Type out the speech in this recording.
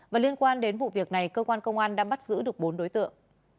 và liên quan đến vụ việc này cơ quan công an đã bắt giữ được bốn đối tượng